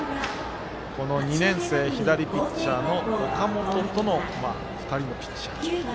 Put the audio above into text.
２年生、左ピッチャーの岡本との２人のピッチャー。